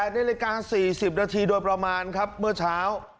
นาฬิกา๔๐นาทีโดยประมาณครับเมื่อเช้า